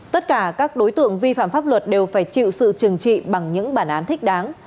tất cả các đối tượng vi phạm pháp luật đều phải chịu sự trừng trị bằng những bản án thích đáng